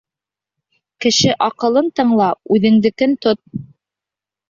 Кеше аҡылын тыңла, үҙеңдекен тот.